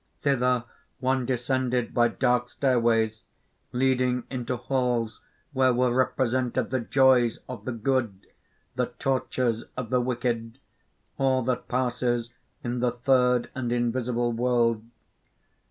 "Thither one descended by dark stairways leading into halls where were represented the joys of the good, the tortures of the wicked, all that passes in the third and invisible world.